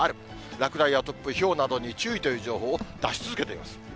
落雷や突風、ひょうなどに注意という情報を出し続けています。